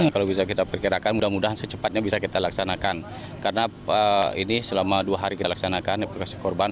kalau bisa kita perkirakan mudah mudahan secepatnya bisa kita laksanakan karena ini selama dua hari kita laksanakan evakuasi korban